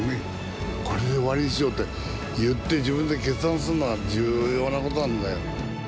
これで終わりにしようって言って、自分で決断するのは重要なことなんだよ。